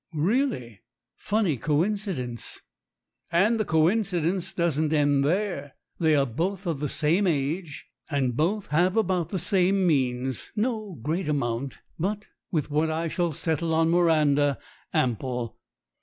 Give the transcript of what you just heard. "Really? Funny coincidence." "And the coincidence doesn't end there. They are both of the same age, and both have about the same means no great amount, but, with what I shall settle on Miranda, ample.